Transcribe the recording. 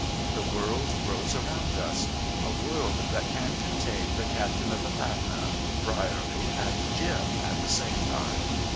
The world grows around us; a world that can contain the captain of the Patna, Brierley and Jim at the same time!